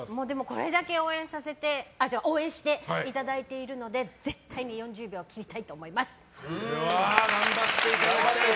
これだけ応援していただいているので絶対に４０秒を切りたいと思います！